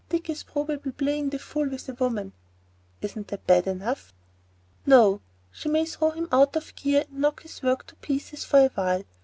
Dick is probably playing the fool with a woman." "Isn't that bad enough?" "No. She may throw him out of gear and knock his work to pieces for a while.